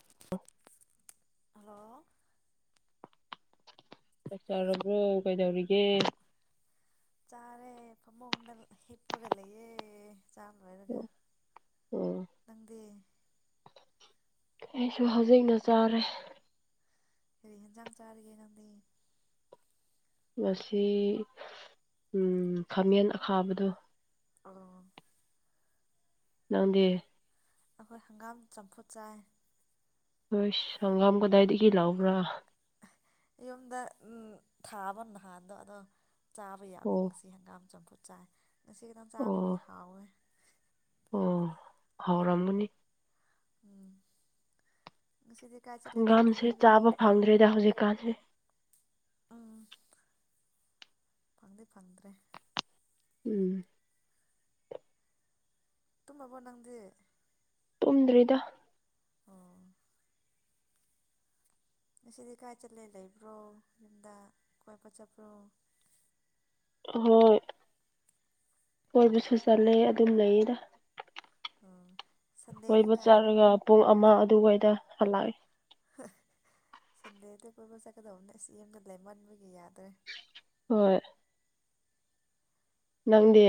[inaudible] hello ꯆꯥꯛ ꯆꯥꯔꯕ꯭ꯔꯣ ꯀꯩꯗꯧꯔꯤꯒꯦ ꯆꯥꯔꯦ ꯐꯃꯨꯡꯗ ꯍꯤꯞꯄꯒ ꯂꯩꯌꯦ ꯆꯥꯛ ꯂꯣꯏꯔꯒ ꯎꯝ ꯅꯪꯗꯤ ꯑꯩꯁꯨ ꯍꯧꯖꯤꯛꯅ ꯆꯥꯔꯦ ꯀꯔꯤ ꯍ‌ꯦꯟꯖꯥꯡ ꯆꯥꯔꯤꯒꯦ ꯅꯪꯗꯤ ꯉꯁꯤ ꯎꯝ ꯈꯥꯃꯦꯟ ꯑꯈꯥꯕꯗꯨ ꯑ ꯅꯪꯗꯤ ꯑꯈꯣꯏ ꯍꯪꯒꯥꯝ ꯆꯝꯐꯨꯠ ꯆꯥꯏ ꯎꯁ‌ꯏ ꯍꯪꯒꯥꯝ ꯀꯗꯥꯏꯗꯒꯤ ꯂꯧꯕ꯭ꯔꯥ ꯌꯨꯝꯗ ꯎꯝ ꯊꯥꯕ ꯅꯍꯥꯟꯗꯣ ꯑꯗꯣ ꯆꯥꯕ ꯌꯥꯕꯅꯤ ꯑꯣ ꯉꯁꯤ ꯁꯤ ꯍꯪꯒꯥꯝ ꯆꯝꯐꯨꯠ ꯆꯥꯏ ꯉꯁꯤ ꯈꯤꯇꯪ ꯑꯣ ꯆꯥꯕꯒꯤ ꯍꯥꯎꯋꯦ ꯑꯣ ꯍꯧꯎꯔꯝꯃꯅꯤ ꯎꯝ ꯉꯁꯤꯗꯤ ꯀꯥꯏ ꯆꯠꯂꯦ ꯅꯪꯗꯤ ꯍꯪꯒꯥꯝꯁꯦ ꯌꯨꯝꯗ ꯆꯥꯕ ꯐꯪꯗ꯭ꯔꯦꯗ ꯍꯧꯖꯤꯛꯀꯥꯟꯁꯦ ꯎꯝ ꯐꯪꯗ‌ꯤ ꯐꯪꯗ꯭ꯔꯦ ꯎꯝ ꯇꯨꯝꯃꯕꫭ ꯅꯪꯗꯤ ꯇꯨꯝꯗ꯭ꯔꯤꯗ ꯑꯣ ꯉꯁꯤꯗꯤ ꯀꯥꯏ ꯆꯠꯂꯦ ꯂꯩꯕ꯭ꯔꯣ ꯌꯨꯝꯗ ꯀꯣꯏꯕ ꯆꯠꯄ꯭ꯔꯣ ꯍꯣꯏ ꯀꯣꯏꯕꯁꯨ ꯆꯠꯂꯦ ꯑꯗꯨꯝ ꯂꯩꯌꯦꯗ ꯑ ꯀꫭꯏꯕ ꯆꯥꯠꯔꯒ ꯄꯨꯡ ꯑꯃ ꯑꯗꯨꯋꯥꯏꯗ ꯍꯜꯂꯛꯑꯦ ꯁꯟꯗꯦꯗ ꯀꫭꯏꯕ ꯆꯠꯀꯗꯧꯕꯅꯦ ꯑꯁ ꯌꯥꯝꯗ ꯂꯩꯃꯟꯕꯒꯤ ꯌꯥꯗ꯭ꯔꯦ ꯍꯣꯏ ꯅꯪꯗꯤ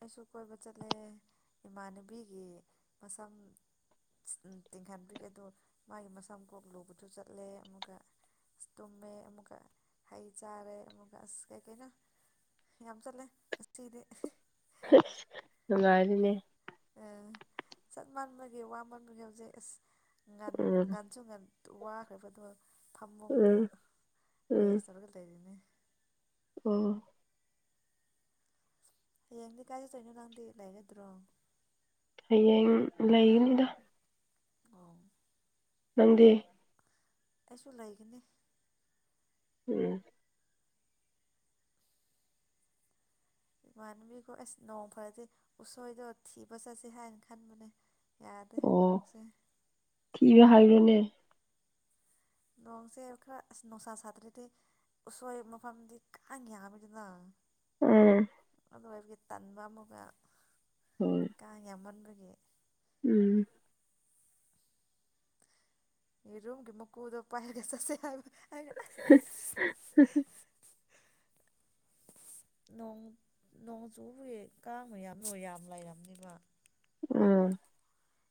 ꯑꯩꯁꯨ ꯀꯣꯏꯕ ꯆꯠꯂꯦ ꯏꯃꯥꯟꯅꯕꯤꯒꯤ ꯃꯁꯝ ꯏꯁ ꯎꯝ ꯇꯤꯡꯍꯟꯕꯤꯒꯤ ꯑꯗꯣ ꯃꯥꯒꯤ ꯃꯁꯝ ꯀꯣꯛ ꯂꯨꯕꯗꯨ ꯆꯠꯂꯦ ꯑꯃꯨꯛꯀ ꯑꯁ ꯇꯨꯝꯃꯦ ꯑꯃꯨꯛꯀ ꯍꯩ ꯆꯥꯔꯦ ꯑꯃꯨꯛꯀ ꯑꯁ ꯀꯩ ꯀꯩꯅꯣ ꯌꯥꯝ ꯆꯠꯂꯦ ꯉꯁꯤꯗꯤ ꯍꯩꯁ ꯅꯨꯡꯉꯥꯏꯔꯤꯅꯦ ꯑꯦ ꯆꯠꯃꯥꯟꯕꯒꯤ ꯋꯥꯃꯟꯕꯒꯤ ꯍꯧꯖꯤꯛ ꯑꯁ ꯉꯥꯟ ꯎꯝ ꯉꯥꯟꯁꯨ ꯉꯥꯟ ꯇꯨ ꯋꯥꯈ꯭ꯔꯕꯗꯣ ꯐꯝꯕꯨꯡꯗ ꯎꯝ ꯎꯝ ꯔꯦꯁ ꯇꯧꯔꯒ ꯂꯩꯔꯤꯅꯦ ꯑꯣ ꯍꯌꯦꯡꯗꯤ ꯀꯥꯏ ꯆꯠꯂꯤꯅꯣ ꯅꯪꯗꯤ ꯂꯩꯒꯗ꯭ꯔꯣ ꯍꯌꯦꯡ ꯂꯩꯒꯅꯤꯗ ꯑꯣ ꯅꯪꯗꯤ ꯑꯩꯁꯨ ꯂꯩꯒꯅꯤ [unintelligible] ꯏꯃꯥꯟꯅꯕꯤꯈꯣꯏ ꯑꯁ ꯅꯣꯡ ꯐꯔꯗꯤ ꯎꯁꯣꯏꯗꯣ ꯊꯤꯕ ꯆꯠꯁꯦ ꯍꯥꯏꯅ ꯈꯟꯕꯅꯦ ꯌꯥꯗꯦ ꯑꯣ ꯅꯣꯡꯁꯦ ꯊꯤꯕ ꯍꯥꯏꯔꯤꯅꯦ ꯅꯣꯡꯁꯦ ꯈꯔ ꯑꯁ ꯅꯨꯡꯁꯥ ꯁꯥꯇ꯭ꯔꯗꯤ ꯎꯁꯣꯏ ꯃꯐꯝꯗꯤ ꯀꯥꯡ ꯌꯥꯝꯕꯅꯤꯕ ꯎꯝ ꯑꯗꯨꯒ ꯑꯩꯕꯒꯤ ꯇꯟꯕ ꯑꯃꯒ ꯍꯣꯏ ꯀꯥꯡ ꯌꯥꯝꯃꯟꯕꯒꯤ ꯎꯝ ꯌꯦꯔꯨꯝꯒꯤ ꯃꯀꯨꯗꯣ ꯄꯥꯏꯒ ꯆꯠꯁꯦ ꯍꯥꯏꯕ ꯑꯩꯅ ꯑꯦ [inaudible] ꯅꯣꯡ ꯅꯣꯡ ꯆꯨꯕꯒꯤ ꯀꯥꯡ ꯌꯥꯝ ꯂꯣꯏ ꯌꯥꯝ ꯂꯩꯔꯝꯅꯤꯕ ꯎꯝ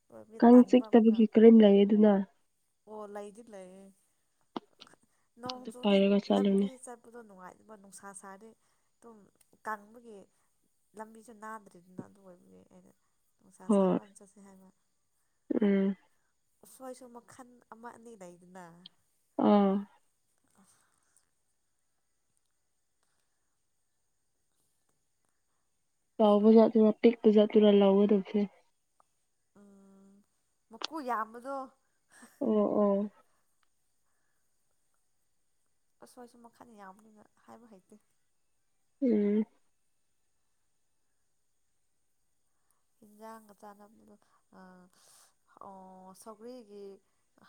ꯑꯣꯏꯕꯒꯤ ꯀꯥꯡ ꯇꯟꯕ ꯑꯃꯨꯛꯀ ꯆꯤꯛꯇꯕꯒꯤ ꯀꯔꯤꯝ ꯂꯩ ꯑꯗꯨꯅ ꯑꯣ ꯂꯩꯗꯤ ꯂꯩꯌꯦ ꯅꯣꯡ ꯑꯗꯨ ꯆꯨꯗꯤ ꯄꯥꯏꯔꯒ ꯆꯠꯂꯨꯅꯦ ꯂꯝꯕꯤ ꯆꯠ ꯄꯗꯣ ꯅꯨꯡꯉꯥꯏꯇꯕ ꯅꯨꯡꯁꯥ ꯁꯥꯗꯤ ꯑꯗꯨꯝ ꯀꯪꯕꯒꯤ ꯂꯝꯕꯤꯁꯨ ꯅꯥꯗ꯭ꯔꯤꯗꯅ ꯑꯗꯨ ꯑꯣꯏꯕꯒꯤ ꯑꯩꯅ ꯅꯨꯡꯁꯥ ꯍꯣꯏ ꯁꯥꯕꯀꯥꯟ ꯆꯠꯁꯦ ꯍꯥꯏꯕ ꯎꯝ ꯎꯁꯣꯏꯁꯨ ꯃꯈꯜ ꯑꯃ ꯑꯅꯤ ꯂꯩꯗꯅ ꯑꯥ ꯑꯥ ꯆꯥꯎꯕꯩ ꯎꯁꯣꯏ ꯖꯥꯠꯇꯔꯥ ꯄꯤꯛꯄꯩ ꯖꯥꯠꯇꯔꯥ ꯂꯧꯔ ꯗꯧꯁꯦ ꯑ ꯃꯀꯨ ꯌꯥꯝꯕꯗꯣ ꯑꯣ ꯑꯣ ꯎꯁꯣꯏꯁꯨ ꯃꯈꯜ ꯌꯥꯝꯕꯅꯤꯅ ꯍꯥꯏꯕ ꯍꯩꯇꯦ ꯎꯝ ꯍꯤꯟꯖꯥꯡꯒ ꯆꯥꯅꯕꯗꯣ ꯑ ꯍꯥꯎ ꯁꯧꯒ꯭ꯔꯤꯒꯤ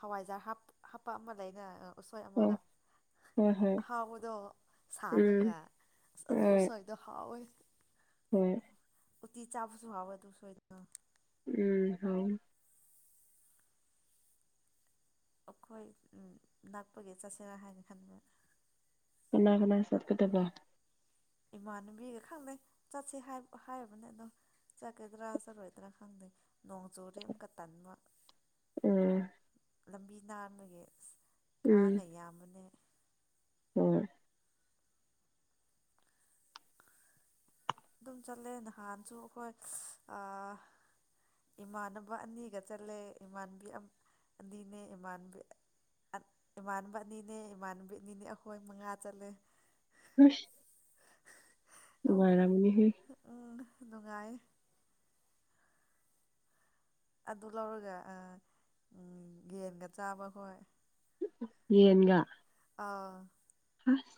ꯍꯋꯥꯏꯖꯥꯔ ꯍꯥꯞ ꯍꯥꯞꯄ ꯑꯃ ꯂꯩꯅ ꯎꯁꯣꯏ ꯑꯃ ꯑꯣ ꯍꯣꯏ ꯍꯣꯏ ꯑꯍꯥꯎꯕꯗꯣ ꯎꯝ ꯁꯥꯡꯉꯒ ꯑꯁ ꯑꯗꯨ ꯍꯣꯏ ꯎꯁꯣꯏ ꯗꯣ ꯍꯥꯎꯏ ꯍꯣꯏ ꯆꯥꯁꯨ ꯍꯥꯏꯋꯥ ꯑꯗꯨꯨ ꯎꯁꯣꯏꯗꯣ ꯎꯝ ꯍꯥꯎꯏ ꯑꯩꯈꯣꯏ ꯅꯛꯄꯒꯤ ꯆꯠꯁꯦꯔꯥ ꯍꯥꯏꯅ ꯈꯟꯕ ꯀꯅꯥ ꯀꯅꯥ ꯁꯠꯀꯗꯕ ꯏꯃꯥꯟꯅꯕꯤꯒ ꯈꯪꯅꯩ ꯆꯠꯁꯤ ꯍꯥꯏ ꯍꯥꯏꯔꯕꯅꯦ ꯑꯗꯣ ꯆꯠꯀꯗ꯭ꯔꯥ ꯆꯠꯂꯣꯏꯗ꯭ꯔꯥ ꯈꯪꯗꯦ ꯅꯣꯡ ꯆꯨꯔꯗꯤ ꯑꯃꯨꯛꯀ ꯇꯟꯕ ꯎꯝ ꯂꯝꯕꯤ ꯅꯥꯟꯕꯒꯤ ꯀꯥꯡꯒ ꯌꯥꯝꯕꯅꯦ ꯎꯝ ꯑꯗꯨꯝ ꯆꯠꯂꯦ ꯅꯍꯥꯟꯁꯨ ꯑꯈꯣꯏ ꯏꯃꯥꯟꯅꯕ ꯑꯅꯤꯒ ꯆꯠꯂꯦ ꯏꯃꯥꯟꯕꯤ ꯑꯝ ꯑꯅꯤꯅꯦ ꯏꯃꯥꯟꯅꯕꯤ ꯍꯠ ꯏꯃꯥꯟꯅꯕ ꯑꯅꯤꯅꯦ ꯏꯃꯥꯟꯕꯤ ꯑꯅꯤꯅꯦ ꯑꯩꯈꯣꯏ ꯃꯉꯥ ꯆꯠꯂꯦ ꯎꯏꯁ ꯅꯨꯡꯉꯥꯏꯔꯝꯅꯤꯍꯦ ꯑꯥ ꯍꯥ ꯅꯨꯡꯉꯥꯏꯌꯦ ꯑꯗꯨ ꯂꯧꯔꯒ ꯑ ꯎꯪ ꯌꯦꯟꯒ ꯆꯥꯕꯈꯣꯏ ꯌꯦꯟꯒ ꯑꯥ ꯑꯁ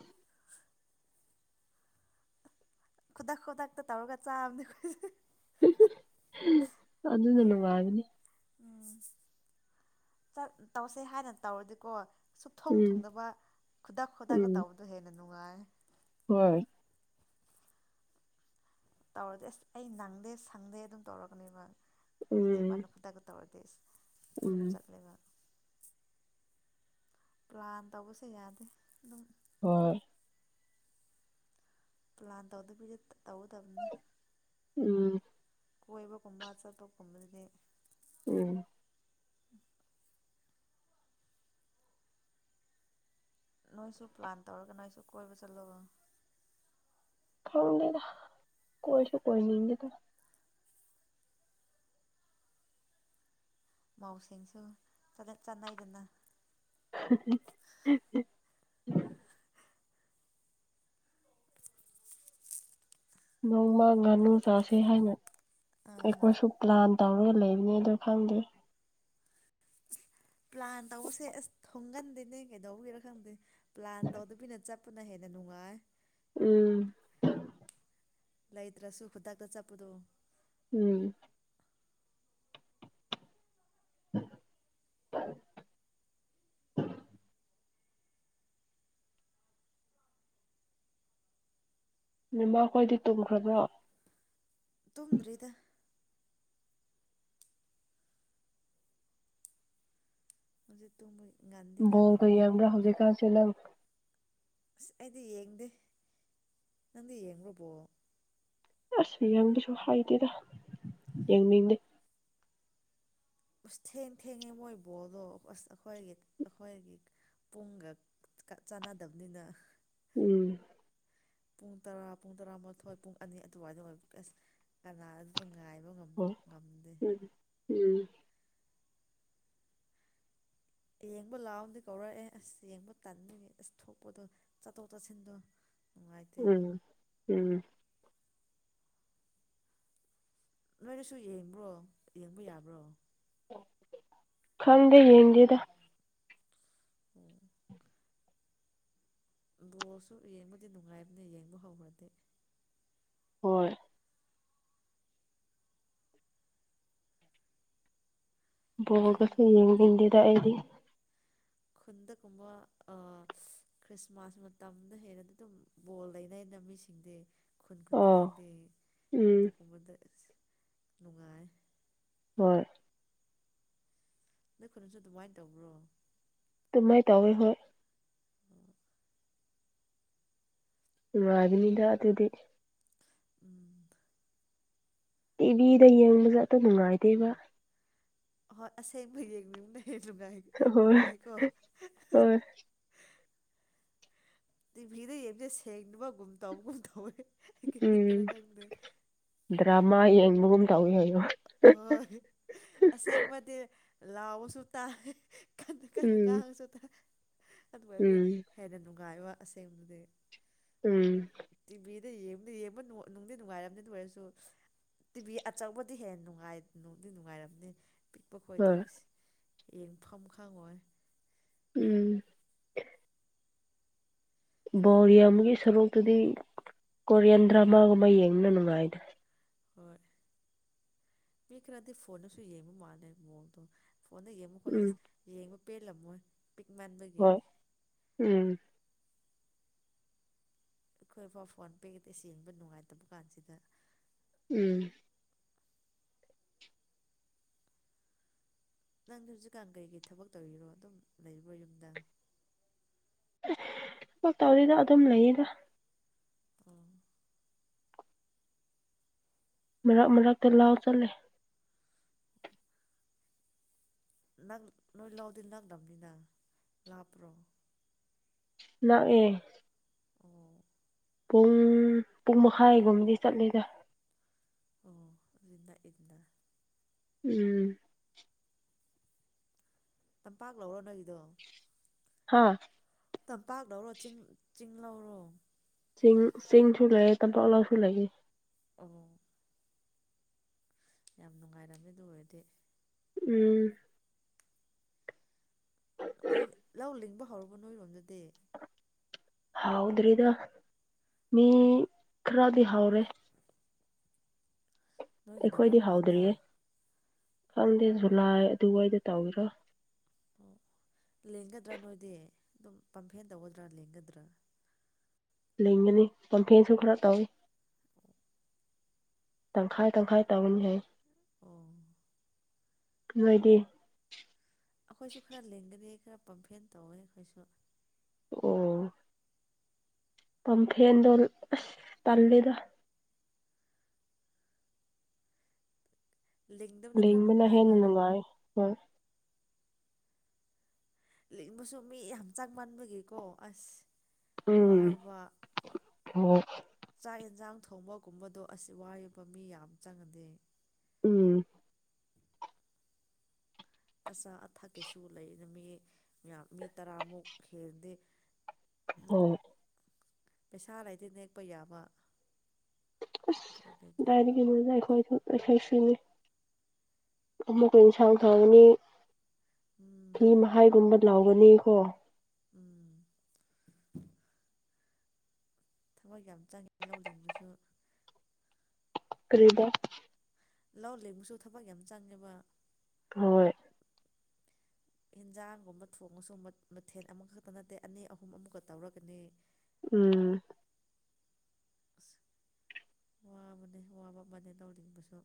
ꯈꯨꯗꯛ ꯈꯨꯗꯛꯇ ꯇꯧꯔꯒ ꯆꯥꯕꯅꯤ ꯑꯩꯈꯣꯏ ꯑꯗꯨꯅ ꯅꯨꯡꯉꯥꯏꯕꯅꯤ ꯎꯝ ꯆꯠ ꯇꯧꯁꯦ ꯍꯥꯏꯅ ꯇꯧꯔꯗꯤꯀꯣ ꯁꯨꯡ ꯊꯣꯡ ꯎꯝ ꯊꯣꯡꯗꯕ ꯈꯨꯗꯥꯛ ꯈꯨꯗꯥꯛꯇ ꯎꯝ ꯇꯧꯕꯗꯣ ꯍꯦꯟꯅ ꯅꯨꯡꯉꯥꯏ ꯍꯣꯏ ꯇꯧꯔꯗꯤ ꯑꯁ ꯑꯩ ꯅꯪꯗꯦ ꯁꯪꯗꯦ ꯑꯗꯨꯝ ꯇꯧꯔꯛꯒꯅꯦꯕ ꯃꯤꯗ ꯎꯝ [unintelligible] ꯈꯨꯗꯛꯇ ꯇꯧꯔꯗꯤ ꯑꯁ ꯑꯗꯨꯝ ꯎꯝ ꯆꯠꯂꯦꯕ ꯄ꯭ꯂꯥꯟ ꯇꯧꯕꯁꯦ ꯌꯥꯗꯦ ꯑꯗꯨꯝ [unintelligible] ꯄ꯭ꯂꯥꯟ ꯇꯧꯗꯕꯤꯗ ꯇꯧꯒꯗꯕꯅꯦ ꯎꯝ ꯀꯣꯏꯕꯒꯨꯝꯕ ꯆꯠꯄꯒꯨꯝꯕꯗꯗꯤ ꯎꯝ ꯅꯣꯏꯁꯨ ꯄ꯭ꯂꯥꯟ ꯇꯧꯔꯒ ꯅꯣꯏꯁꯨ ꯀꯣꯏꯕ ꯆꯠꯂꯣꯕ ꯈꯪꯗꯦꯗ ꯀꯣꯏꯁꯨ ꯀꯣꯏꯅꯤꯡꯗꯦꯗ ꯃꯧꯁꯤꯡꯁꯨ [unintelligible] ꯆꯥꯟꯅꯩꯗꯅ [unintelligible] [inaudible] ꯅꯣꯡꯃ ꯉꯥꯅꯨ ꯆꯥꯁꯦ ꯍꯥꯏꯅ ꯑꯥ ꯑꯩꯈꯣꯏꯁꯨ ꯄ꯭ꯂꯥꯟ ꯇꯧꯔꯒ ꯂꯩꯕꯅꯦ ꯑꯗꯨ ꯈꯪꯗꯦ ꯄ꯭ꯂꯥꯟ ꯇꯧꯕꯁꯦ ꯑꯁ ꯊꯨꯡꯒꯟꯗꯦꯅꯦ ꯀꯩꯗꯧꯕꯤꯔꯣ ꯈꯪꯗꯦ ꯄ꯭ꯂꯥꯟ ꯇꯧꯗꯕꯤꯅ ꯆꯠ ꯄꯅ ꯍꯦꯟꯅ ꯅꯨꯡꯉꯥꯏ ꯎꯝ ꯂꯩꯇ꯭ꯔꯁꯨ ꯈꯨꯗꯛꯇ ꯆꯠꯄꯗꯣ ꯎꯝ [unintelligible] ꯅꯃꯈꯣꯏꯗꯤ ꯇꯨꯝꯈ꯭ꯔꯕ꯭ꯔꯣ ꯇꯨꯝꯗ꯭꯭ꯔꯤꯗ ꯍꯧꯖꯤꯛ ꯇꯨꯝꯕꯒꯤ ꯕꯣꯜ ꯀ ꯌꯦꯡꯕ꯭ꯔ ꯍꯧꯖꯤꯛꯀꯥꯟꯁꯤ ꯅꯪ ꯑꯁ ꯑꯩꯗꯤ ꯌꯦꯡꯗꯦ ꯅꯪꯗꯤ ꯌꯦꯡꯕ꯭ꯔꯣ ꯕꯣꯜ ꯑꯁ ꯌꯦꯡꯒꯦꯁꯨ ꯍꯥꯏꯗꯦꯗ ꯌꯦꯡꯅꯤꯡꯗꯦ ꯎꯁ ꯊꯦꯡ ꯊꯦꯡꯉꯦ ꯃꯣꯏ ꯕꯣꯜꯗꯣ ꯑꯁ ꯑꯩꯈꯣꯏꯒꯤ ꯑꯩꯈꯣꯏꯒꯤ ꯄꯨꯡꯒ ꯆꯥꯟꯅꯗꯕꯅꯤꯅ ꯎꯝ ꯄꯨꯡ ꯇꯔꯥ ꯄꯨꯡ ꯇꯔꯥꯃꯊꯣꯏ ꯄꯨꯡ ꯑꯅꯤ ꯑꯗꯨꯋꯥꯏꯗ ꯑꯣꯏꯕ ꯑꯁ ꯀꯅꯥ ꯑꯗꯨ ꯉꯥꯏꯕ ꯉꯝ ꯍꯣꯏ ꯉꯝꯗꯦ ꯎꯝ ꯎꯝ ꯌꯦꯡꯕ ꯂꯥꯎꯅꯗꯤ ꯀꯧꯔꯛꯑꯦ ꯑꯁ ꯌꯦꯡꯕ ꯇꯟꯕꯒꯤ ꯑꯁ ꯊꯣꯛꯄꯗꯣ ꯆꯠꯊꯣꯛ ꯆꯠꯁꯤꯟꯗꯣ ꯅꯨꯡꯉꯥꯏꯇꯦ ꯎꯝ ꯎꯝ ꯅꯣꯏꯅꯁꯨ ꯌꯦꯡꯕ꯭ꯔꯣ ꯌꯦꯡꯕ ꯌꯥꯕ꯭ꯔꯣ ꯈꯪꯗꯦ ꯌꯦꯡꯗꯦꯗ ꯎꯝ ꯕꯣꯜꯁꯨ ꯌꯦꯡꯕꯗꯤ ꯅꯨꯡꯉꯥꯏꯕꯅꯦ ꯌꯦꯡꯕ ꯍꯧꯈ꯭ꯔꯗꯤ ꯍꯣꯏ ꯈꯨꯟ ꯕꯣꯜꯒꯁꯨ ꯌꯦꯡꯅꯤꯡꯗꯦꯗ ꯑꯩꯗꯤ ꯈꯨꯟꯗ ꯀꯨꯝꯕ ꯑ ꯈ꯭ꯔꯤꯁꯃꯥꯁ ꯃꯇꯝꯗ ꯍꯦꯟꯅꯗꯤ ꯇꯨꯝ ꯕꯣꯜ ꯂꯩꯅꯩꯩꯅ ꯃꯤꯁꯤꯡꯗꯤ ꯈꯨꯟ ꯈꯨꯟ ꯑꯣ ꯈꯨꯗꯤꯡꯗꯤ ꯎꯝ ꯑꯗꯨꯒꯨꯝꯕꯗ ꯅꯨꯡꯉꯥꯏ ꯍꯣꯏ ꯅꯣꯏ ꯈꯨꯟꯁꯨ ꯑꯗꯨꯃꯥꯏ ꯇꯧꯕ꯭ꯔꯣ ꯑꯗꯨꯃꯥꯏ ꯇꯧꯋꯦ ꯍꯣꯏ ꯅꯨꯡꯉꯥꯏꯕꯤꯅꯤꯗ ꯑꯗꯨꯗꯤ ꯎꯝ [inaudible] ꯇꯤꯚꯤꯗ ꯌꯦꯡꯕꯗꯣ ꯑꯗꯣ ꯅꯨꯡꯉꯥꯏꯇꯦꯕ ꯍꯣꯏ ꯑꯁꯦꯡꯕ ꯌꯦꯡꯅꯤꯡꯕꯩ ꯅꯨꯡꯉꯥꯏ ꯍꯣꯏ ꯅꯨꯡꯉꯥꯏꯀꯣ ꯍꯣꯏ ꯇꯤꯚꯤꯗ ꯌꯦꯡꯕꯁꯦ ꯁꯦꯡꯗꯕꯒꯨꯝ ꯇꯧꯒꯨꯝ ꯇꯧꯋꯦ ꯑꯩꯒꯤ ꯃꯤꯠꯇꯔ ꯎꯝ ꯈꯪꯗꯦ ꯗ꯭ꯔꯃꯥ ꯌꯦꯡꯕꯒꯨꯝ ꯇꯧꯋꯤ ꯍꯥꯢꯌꯣ ꯍꯣꯏ ꯑꯁꯦꯡꯕꯗꯤ ꯂꯥꯎꯕꯁꯨ ꯇꯥꯏ ꯀꯟꯅ ꯀꯟꯅ ꯎꯝ ꯉꯥꯡꯉꯁꯨ ꯇꯥ ꯑꯗꯨꯑꯣꯏꯕꯒꯤ ꯎꯝ ꯍꯦꯟꯅ ꯅꯨꯡꯉꯥꯏꯕ ꯑꯁꯦꯡꯕꯗꯤ ꯎꯝ ꯇꯤꯚꯤꯗ ꯌꯦꯡꯕꯗꯤ ꯌꯦꯡꯕ ꯅꯨ ꯅꯨꯡꯗꯤ ꯅꯨꯡꯉꯥꯏꯔꯝꯅꯤ ꯑꯗꯨ ꯑꯣꯏꯔꯁꯨ ꯇꯤꯚꯤ ꯑꯆꯧꯕꯗꯤ ꯍꯦꯟ ꯅꯨꯡꯉꯥꯏ ꯅꯨꯡꯗꯤ ꯅꯨꯡꯉꯥꯏꯔꯝꯅꯤ ꯄꯤꯛꯄ ꯈꯣꯏꯗꯤ ꯍꯣꯏ ꯏꯁ ꯌꯦꯡꯐꯝ ꯈꯪꯉꯣꯏ ꯎꯝ ꯕꯣꯜ ꯌꯦꯡꯕꯒꯤ ꯁꯔꯨꯛꯇꯨꯗꯤ ꯀꯣꯔꯤꯌꯟ ꯗ꯭ꯔꯃꯥꯒꯨꯝꯕ ꯌꯦꯡꯕꯅ ꯅꯨꯡꯉꯥꯏꯗ ꯍꯣꯏ ꯄꯤ ꯈꯔꯗꯤ ꯐꯣꯟꯗꯁꯨ ꯌꯦꯡꯕ ꯃꯥꯜꯂꯦ ꯃꯣꯣꯗꯣ ꯐꯣꯟꯗ ꯌꯦꯡꯕ ꯃꯈꯣꯏꯗꯤ ꯎꯝ ꯑꯁ ꯌꯦꯡꯕ ꯄꯦꯜꯂꯝꯃꯣꯏ ꯄꯤꯛ ꯃꯟꯕꯒꯤ ꯍꯣꯏ ꯎꯝ ꯑꯈꯣꯏꯐꯥꯎ ꯐꯣꯟ ꯄꯤꯛꯑꯗꯤ ꯌꯦꯡꯕ ꯅꯨꯡꯉꯥꯏꯇ꯭ꯔ ꯀꯥꯟꯁꯤꯗ ꯎꯝ ꯅꯪꯗꯤ ꯍꯨꯖꯤꯛꯀꯥꯟ ꯀꯩꯀꯩ ꯊꯕꯛ ꯇꯧꯔꯤꯔꯣ ꯑꯗꯨꯝ ꯂꯩꯕ꯭ꯔꯣ ꯌꯨꯝꯗ ꯊꯕꯒ ꯇꯧꯗꯦꯗ ꯑꯗꯨꯝ ꯂꯩꯌꯦꯗ ꯑꯣ ꯃꯔꯛ ꯃꯔꯛꯇ ꯂꯥꯎ ꯆꯠꯂꯦ ꯅꯪ ꯅꯣꯏ ꯂꯧꯗꯤ ꯅꯝꯂꯝꯅꯤꯅ ꯂꯥꯞꯄ꯭ꯔꯣ ꯅꯥꯛꯑꯦ ꯑꯣ ꯄꯨꯡ ꯄꯨꯡ ꯃꯈꯥꯏꯒꯨꯝꯗꯤ ꯆꯠꯂꯤꯗ ꯑꯣ ꯑꯗꯨꯗꯤ ꯅꯛꯏꯗꯅ ꯎꯝ ꯇꯝꯄꯥꯛ ꯂꯧꯔꯣ ꯅꯣꯏꯒꯤꯗꯣ ꯍꯥ ꯇꯝꯄꯥꯛ ꯂꯧꯔꯣ ꯆꯤꯡ ꯆꯤꯡ ꯂꯧꯔꯣ ꯆꯤꯡ ꯆꯤꯡꯁꯨ ꯂꯩꯌꯦ ꯇꯝꯄꯥꯛꯂꯥꯎꯁꯨ ꯂꯩꯌꯦ ꯑꯣ ꯌꯥꯝ ꯅꯨꯡꯉꯥꯏꯔꯝꯅꯤ ꯑꯗꯨ ꯑꯣꯏꯔꯗꯤ ꯎꯝ ꯑꯩ ꯂꯧ ꯂꯤꯡꯕ ꯍꯧꯔꯕꯣ ꯅꯣꯏꯔꯣꯝꯗꯗꯤ ꯍꯥꯎꯗ꯭ꯔꯤꯗ ꯃꯤ ꯈꯔꯗꯤ ꯍꯧꯔꯦ ꯅꯣꯏꯒꯤꯅ ꯑꯩꯈꯣꯏꯗꯤ ꯀꯔꯝ ꯀꯥꯟꯗ ꯍꯥꯎꯗ꯭ꯔꯤꯌꯦ ꯈꯪꯗꯦ ꯖꯨꯂꯥꯏ ꯑꯗꯨꯋꯥꯏꯗ ꯇꯧꯒꯦꯔꯣ ꯑꯣ ꯂꯤꯡꯒꯗ꯭ꯔꯥ ꯅꯣꯏꯗꯤ ꯑꯗꯨꯝ ꯄꯝꯐꯦꯟ ꯇꯧꯒꯗ꯭ꯔꯥ ꯂꯤꯡꯒꯗ꯭ꯔꯥ ꯂꯤꯡꯒꯅꯤ ꯀꯝꯐꯦꯟꯁꯨ ꯈꯔ ꯇꯧꯋꯤ [unintelligible] ꯇꯪꯈꯥꯏ ꯇꯪꯈꯥꯏ ꯇꯧꯅꯤ ꯍꯥꯏ ꯑꯣ ꯅꯣꯏꯗꯤ ꯑꯩꯈꯣꯏꯁꯨ ꯈꯔ ꯂꯦꯡꯒꯅꯤ ꯈꯔ ꯄꯝꯐꯦꯟ ꯇꯧꯋꯦ ꯑꯩꯈꯣꯏꯁꯨ ꯑꯣ ꯄꯝꯐꯦꯟꯗꯣ ꯑꯁ ꯇꯜꯂꯤꯗ ꯂꯤꯡꯗꯕꯅ ꯈꯔ ꯂꯤꯡꯕꯅ ꯍꯦꯟꯅ ꯅꯨꯡꯉꯥꯏꯕ ꯅꯨꯡꯉꯥꯏ ꯍꯣꯏ ꯂꯤꯡꯕꯁꯨ ꯃꯤ ꯌꯥꯝ ꯆꯡ ꯃꯟꯕꯒꯤꯀꯣ ꯑꯁ ꯎꯝ ꯋꯥꯏꯕ ꯍꯣꯏ ꯆꯥꯛ ꯌꯦꯟꯁꯥꯡ ꯊꯣꯡꯕꯒꯨꯝꯕꯗꯣ ꯑꯁ ꯋꯥꯌꯦꯕ ꯃꯤ ꯌꯥꯝ ꯆꯪꯉꯗꯤ ꯎꯝ ꯑꯆꯥ ꯑꯊꯛ ꯀꯤꯁꯨ ꯂꯩꯅ ꯃꯤ ꯃꯌꯥꯝ ꯃꯤ ꯇꯔꯥꯃꯨꯛ ꯍꯦꯟꯗꯤ ꯍꯣꯏ ꯄꯩꯁꯥ ꯂꯩꯗꯤ ꯅꯦꯛꯄ ꯌꯥꯕ ꯑꯁ ꯎꯄꯥꯏ ꯂꯩꯇꯦ ꯀꯗꯥꯏꯗꯒꯤꯅꯣꯗ ꯑꯩꯈꯣꯏꯁꯨ [unintelligible] ꯑꯃꯨꯛꯀ ꯏꯟꯁꯥꯡ ꯊꯣꯡꯒꯅꯤ ꯎꯝ ꯐꯤ ꯃꯍꯥꯏꯒꯨꯝꯕ ꯂꯥꯎꯒꯅꯤ ꯀꯣ ꯎꯝ ꯊꯕꯛ ꯌꯥꯝ ꯆꯪꯉꯤ ꯂꯧ ꯂꯤꯡꯕꯁꯨ ꯀꯔꯤꯕꯣ ꯂꯥꯎ ꯂꯤꯡꯕꯁꯨ ꯊꯕꯛ ꯌꯥꯝ ꯆꯪꯉꯦꯕ ꯍꯣꯏ ꯑꯦꯟꯖꯥꯡꯒꯨꯝꯕ ꯊꯣꯡꯉꯁꯨ ꯃꯊꯦꯜ ꯑꯃꯈꯛꯇ ꯅꯠꯇꯦ ꯑꯅꯤ ꯑꯍꯨꯝ ꯑꯃꯨꯛꯀ ꯇꯧꯔꯒꯅꯤ ꯎꯝ ꯑꯁ ꯋꯥꯕꯅꯦ ꯋꯥꯕ ꯑꯃꯅꯦ ꯂꯧ ꯂꯤꯡꯕꯁꯨ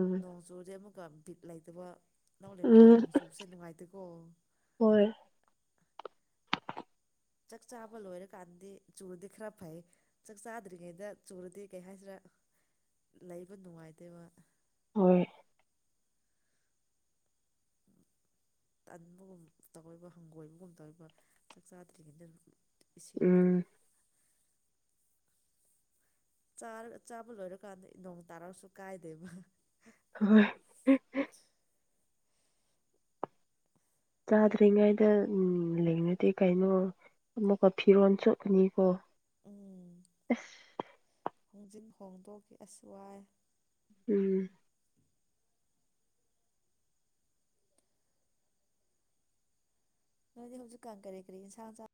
ꯎꯝ ꯅꯣꯡ ꯆꯨꯔꯗꯤ ꯑꯃꯨꯛꯀ ꯕꯤꯠ ꯂꯩꯇꯕ ꯂꯧ ꯂꯤꯡꯕꯀꯥꯟꯗ ꯎꯝ ꯅꯣꯡꯆꯨꯕꯁꯦ ꯅꯨꯡꯉꯥꯏꯇꯦꯀꯣ ꯍꯣꯏ ꯆꯥꯛ ꯆꯥꯕ ꯂꯣꯏꯔꯀꯥꯟꯗꯤ ꯆꯨꯔꯗꯤ ꯈꯔ ꯐꯩ ꯆꯥꯛ ꯆꯥꯗ꯭ꯔꯤꯉꯩꯗ ꯆꯨꯔꯗꯤ ꯀꯩ ꯍꯥꯏꯁꯤꯔꯥ ꯂꯩꯕ ꯅꯨꯡꯉꯥꯏꯇꯦꯕ ꯍꯣꯏ ꯇꯟꯕꯒꯨꯝ ꯇꯧꯑꯦꯕ ꯍꯪꯒꯣꯏꯕꯒꯨꯝ ꯇꯧꯕ ꯆꯥꯛ ꯆꯥꯗ꯭ꯔꯤꯉꯩꯗ ꯏꯁꯤꯡꯗ ꯎꯝ ꯆꯥꯔꯒꯥ ꯆꯥꯕ ꯂꯣꯏꯔꯀꯥꯟꯗ ꯅꯣꯡ ꯇꯥꯔꯒꯁꯨ ꯀꯥꯏꯗꯦꯕ ꯍꯣꯏ ꯆꯥꯗ꯭ꯔꯤꯉꯩꯗ ꯂꯤꯡꯉꯗꯤ ꯀꯩꯅꯣ ꯑꯃꯨꯛꯀ ꯐꯤꯔꯣꯟ ꯆꯣꯠꯀꯅꯤꯀꯣ ꯎꯝ ꯑꯁ ꯍꯣꯡꯖꯤꯟ ꯍꯣꯡꯗꯣꯛꯀꯤ ꯑꯁ ꯋꯥꯏ ꯎꯝ ꯅꯣꯏꯗꯤ ꯍꯧꯖꯤꯛꯀꯥꯟ ꯀꯔꯤ ꯀꯔꯤ ꯏꯟꯁꯥꯡ ꯆꯥ